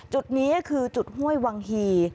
จุดนี้คือจุดห้วยวังฮี